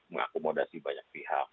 mengakomodasi banyak pihak